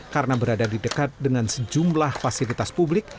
karena berada di dekat dengan sejumlah fasilitas publik